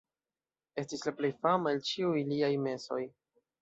Estis la plej fama el ĉiuj liaj mesoj.